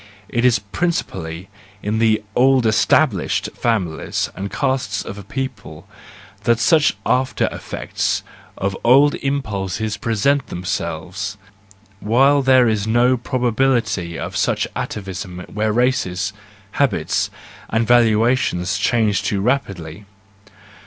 — It is principally in the old established families and castes of a people that such after effects of old impulses present themselves, while there is no probability of such atavism where races, habits, and valuations change too rapidly.